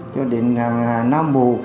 cho đến nam bồ